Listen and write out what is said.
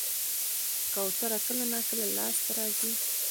کوتره کله ناکله لاس ته راځي.